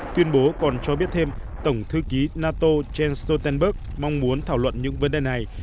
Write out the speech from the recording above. tuyên bố còn cho biết thêm tổng thư ký nato jens stoltenberg mong muốn thảo luận những vấn đề này